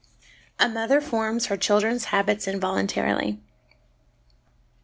A Mother forms her Children's Habits in voluntarily.